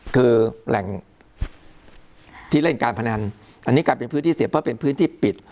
คือแหล่งที่เล่นการพนันอันนี้กลายเป็นพื้นที่เสียบเพราะเป็นพื้นที่ปิด